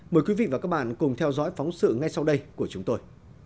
mời quý vị và các bạn cùng theo dõi phóng sự ngay sau đây của chúng tôi